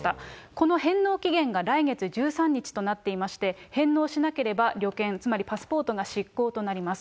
この返納期限が来月１３日となっていまして、返納しなければ旅券、つまり、パスポートは失効となります。